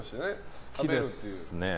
好きですね。